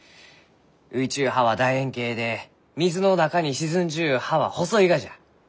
浮いちゅう葉は楕円形で水の中に沈んじゅう葉は細いがじゃ。